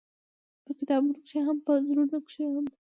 په کتابونو کښې هم او په زړونو کښې هم-